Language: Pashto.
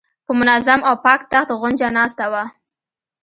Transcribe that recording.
په منظم او پاک تخت غونجه ناسته وه.